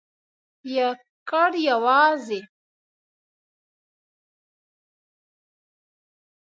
یکړ...یوازی ..